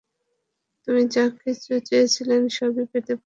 তুমি যা কিছু চেয়েছিলে সবই পেতে পারো।